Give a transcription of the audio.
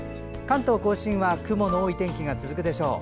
関東・甲信は雲の多い天気が続くでしょう。